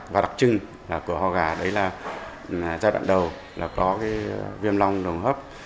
và đặc trưng của ho gà đấy là giai đoạn đầu là có viêm long đường hô hấp